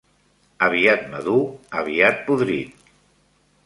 Aviat madur, aviat podrit.